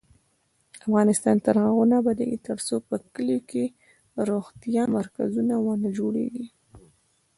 افغانستان تر هغو نه ابادیږي، ترڅو په کلیو کې د روغتیا مرکزونه ونه جوړیږي.